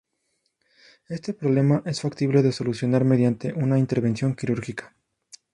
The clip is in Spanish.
Este problema es factible de solucionar mediante una intervención quirúrgica.